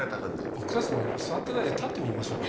僕たちも座ってないで立って見ましょうか？